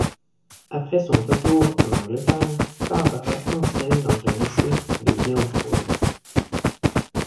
Après son retour en Angleterre, Barbara enseigne dans un lycée de Guildford.